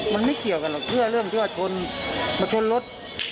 มันไม่เกี่ยวกันหรอกเพื่อเรื่องชนรถ